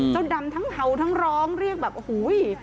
ดำทั้งเห่าทั้งร้องเรียกแบบโอ้โห